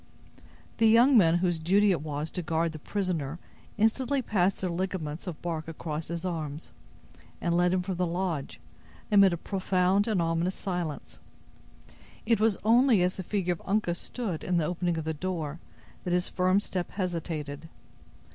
The young men whose duty it was to guard the prisoner instantly passed their ligaments of bark across his arms, and led him from the lodge, amid a profound and ominous silence. It was only as the figure of Uncas stood in the opening of the door that his firm step hesitated.